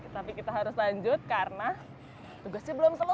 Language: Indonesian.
tapi kita harus lanjut karena tugasnya belum selesai